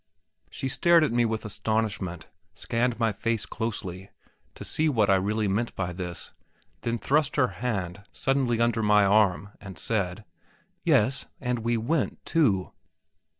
She stared at me with astonishment, scanned my face closely, to see what I really meant by this, then thrust her hand suddenly under my arm, and said: "Yes, and we went too!"